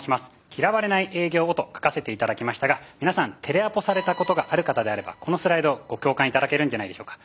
「嫌われない営業を。」と書かせて頂きましたが皆さんテレアポされたことがある方であればこのスライドご共感頂けるんじゃないでしょうか。